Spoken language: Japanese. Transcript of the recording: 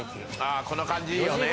ああこの感じいいよね